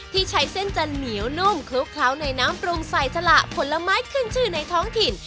ที่ใช้เส้นจะเหนียวนุ่มคลุกเคล้าในน้ำปรุงใส่สละผลไม้ขึ้นชื่อในท้องถิ่น